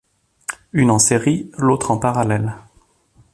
Une en série, l'autre en parallèle.